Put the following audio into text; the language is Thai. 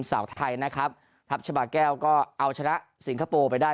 สาธินนะครับครับฉบากแก้วก็เอาชนะสิงคโปร์ไปได้